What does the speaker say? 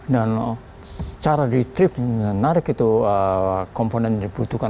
dan secara retrieving menarik itu komponen yang dibutuhkan